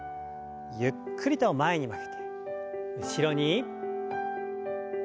ゆっくりと前に曲げて後ろに。